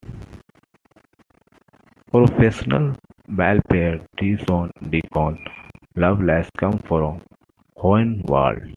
Professional ballpayer Deason "Decon" Loveless came from Hohenwald.